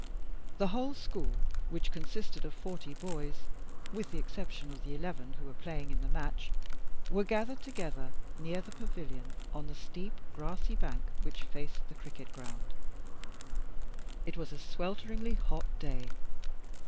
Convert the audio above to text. The whole school, which consisted of forty boys, with the exception of the eleven who were playing in the match, were gathered together near the pavilion on the steep, grassy bank which faced the cricket ground. It was a swelteringly hot day.